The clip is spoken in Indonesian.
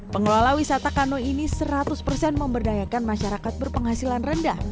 pengelola wisata canoe ini seratus memberdayakan masyarakat berpenghasilan rendah